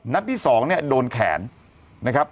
ที่๒เนี่ยโดนแขนนะครับ